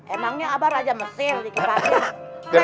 emangnya abah raja mesir dikipasin